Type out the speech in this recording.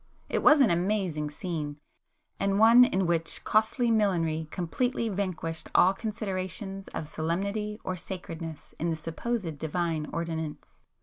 It was an amazing scene,—and one in which costly millinery completely vanquished all considerations of solemnity or sacredness in the supposed 'divine' ordinance.